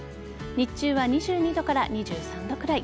日中は、２２度から２３度くらい。